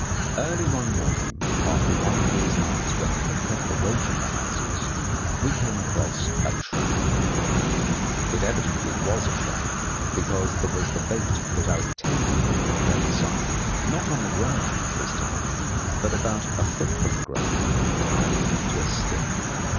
Early one morning, after one of these nights when we had kept away from the houses, we came across a trap. It evidently was a trap, because there was the bait put out temptingly in plain sight, not on the ground this time, but about a foot from the ground, tied to a stick.